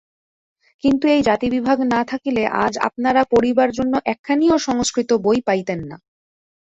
কিন্তু এই জাতিবিভাগ না থাকিলে আজ আপনারা পড়িবার জন্য একখানিও সংস্কৃত বই পাইতেন না।